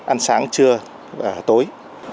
ăn sáng trưa và tối